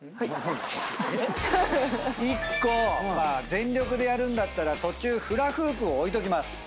１個全力でやるんだったら途中フラフープを置いときます。